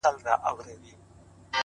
هغه ولس چي د ،